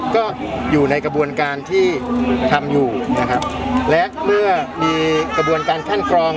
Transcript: ก็อยู่ในกระบวนการที่ทำอยู่นะครับและเมื่อมีกระบวนการคัดกรอง